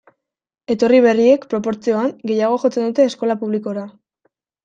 Etorri berriek, proportzioan, gehiago jotzen dute eskola publikora.